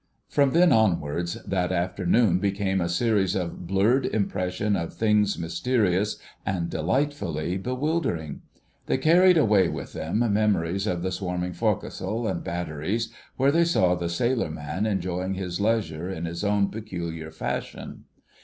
From then onwards that afternoon became a series of blurred impression of things mysterious and delightfully bewildering. They carried away with them memories of the swarming forecastle and batteries, where they saw the sailor man enjoying his leisure in his own peculiar fashion.